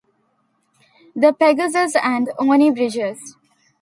The Pegasus and Orne Bridges.